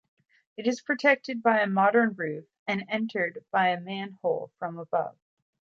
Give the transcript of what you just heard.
It is protected by a modern roof and entered by a man-hole from above.